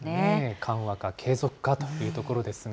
緩和か継続かというところですが。